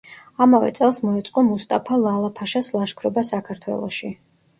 ამავე წელს მოეწყო მუსტაფა ლალა-ფაშას ლაშქრობა საქართველოში.